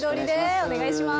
お願いします。